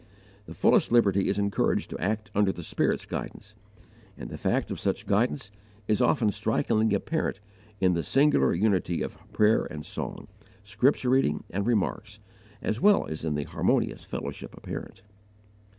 The fullest liberty is encouraged to act under the Spirit's guidance; and the fact of such guidance is often strikingly apparent in the singular unity of prayer and song, scripture reading and remarks, as well as in the harmonious fellowship apparent.